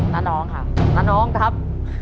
น้องค่ะน้าน้องครับ